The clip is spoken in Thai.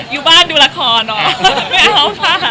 อยู่บ้านดูละครอ่ะไม่เอาผ้า